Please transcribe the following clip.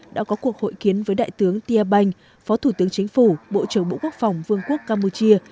đã có cuộc hội kiến với đại tướng tia banh phó thủ tướng chính phủ bộ trưởng bộ quốc phòng vương quốc campuchia